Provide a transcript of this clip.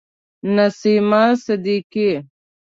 نسیمه صدیقی